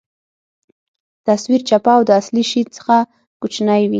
تصویر چپه او د اصلي شي څخه کوچنۍ وي.